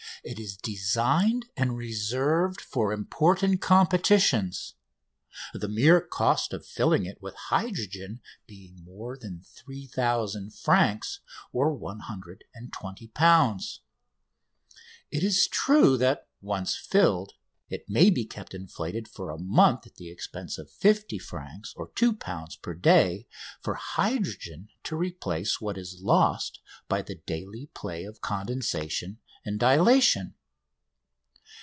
It is designed and reserved for important competitions, the mere cost of filling it with hydrogen being more than 3000 francs (£120). It is true that, once filled, it may be kept inflated for a month at the expense of 50 francs (£2) per day for hydrogen to replace what is lost by the daily play of condensation and dilatation.